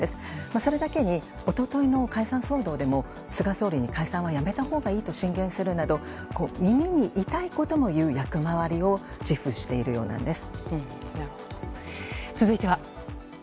それだけに一昨日の解散騒動でも菅総理に解散はやめたほうがいいと進言するなど耳に痛いことも言う役回りを続いては。